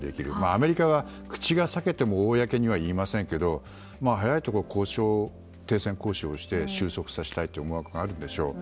アメリカは口が裂けても公には言いませんけど早いところ停戦交渉をして収束させたいという思惑があるんでしょう。